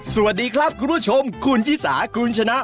สวัสดีครับคุณผู้ชมคุณชิสาคุณชนะ